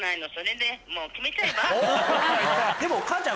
でも。